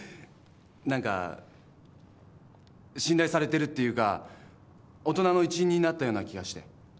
何か信頼されてるっていうか大人の一員になったような気がして。